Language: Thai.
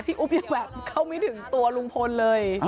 อุ๊บยังแบบเข้าไม่ถึงตัวลุงพลเลย